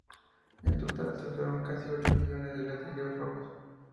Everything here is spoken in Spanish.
En total se usaron casi ocho millones de ladrillos rojos.